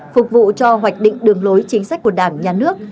phục vụ cho hoạch định đường lối chính sách của đảng nhà nước